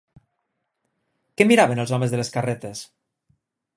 Què miraven els homes de les carretes?